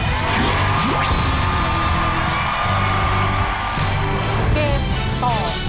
เกมต่อชีวิต